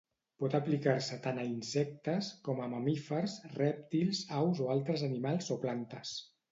Pot aplicar-se tant a insectes, com a mamífers, rèptils, aus o altres animals o plantes.